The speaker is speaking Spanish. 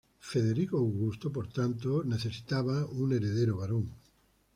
Federico Augusto estaba por tanto en necesidad de un heredero varón.